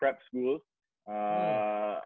ada dua sekolah prep